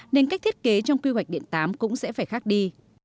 nên cách thiết kế trong quy hoạch điện tám cũng sẽ phải khác đi